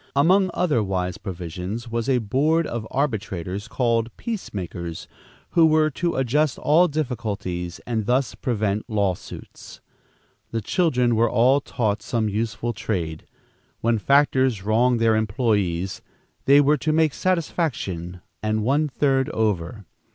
Among other wise provisions was a board of arbitrators called peace makers, who were to adjust all difficulties and thus prevent lawsuits. The children were all taught some useful trade. When factors wronged their employees, they were to make satisfaction and one third over.